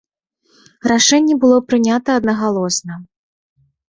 Рашэнне было прынята аднагалосна.